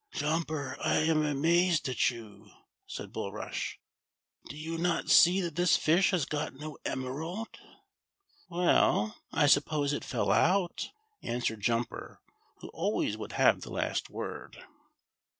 "Jumper, I am amazed at you," said Bulrush. "Do you not sec that this fish has got no emerald V "Well, I suppose it fell out," answered Juniper, who always would have the last word.